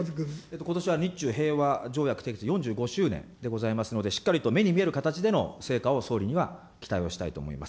ことしは日中平和条約締結４５周年でございますので、しっかりと目に見える形での成果を総理には期待をしたいと思います。